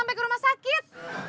sampai ke rumah sakit